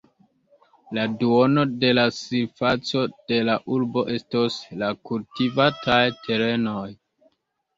La duono de la surfaco de la urbo estos la kultivataj terenoj.